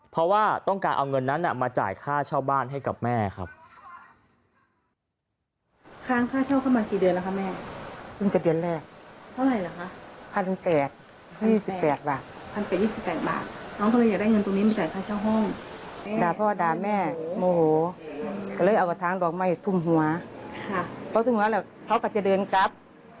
เพราะว่าต้องการเอาเงินนั้นมาจ่ายค่าเช่าบ้านให้กับแม่ครับ